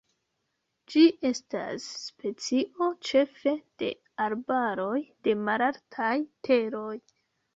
Ĝi estas specio ĉefe de arbaroj de malaltaj teroj.